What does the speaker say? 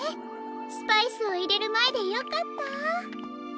スパイスをいれるまえでよかった。